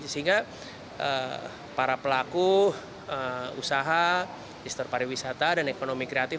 sehingga para pelaku usaha restoran pariwisata dan ekonomi kreatif